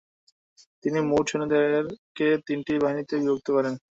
তিনি মোট সৈন্যদেরকে তিনটি বাহিনীতে বিভক্ত করেন।